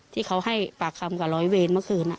ที่เขาให้ปากคำกับร้อยเวรเมื่อคืน